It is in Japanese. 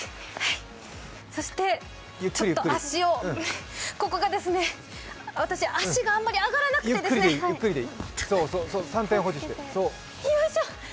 そして、足をここが私、足があまり上がらなくてですねよいしょ